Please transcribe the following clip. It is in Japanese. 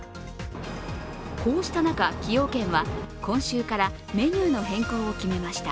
こうした中、崎陽軒は今週からメニューの変更を決めました。